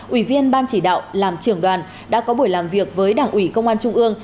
ủy viên ban chỉ đạo làm trưởng đoàn đã có buổi làm việc với đảng ủy công an trung ương